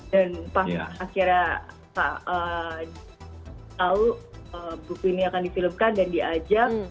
dan pas akhirnya tau buku ini akan disimilmkan dan diajak